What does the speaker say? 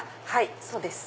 そうです。